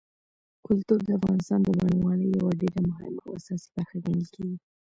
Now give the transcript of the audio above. کلتور د افغانستان د بڼوالۍ یوه ډېره مهمه او اساسي برخه ګڼل کېږي.